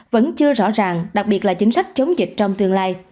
vẫn chưa rõ ràng đặc biệt là chính sách chống dịch trong tương lai